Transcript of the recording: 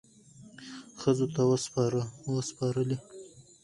ښځو ته وسپارلې،